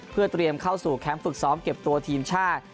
เพื่อเตรียมเข้าสู่แคมป์ฝึกซ้อมเก็บตัวทีมชาติ